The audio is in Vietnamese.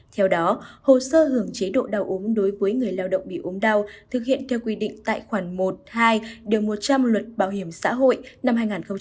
theo đó hồ sơ hưởng chế độ đau ốm đối với người lao động bị ốm đau thực hiện theo quy định tại khoản một hai điều một trăm linh luật bảo hiểm xã hội năm hai nghìn một mươi bốn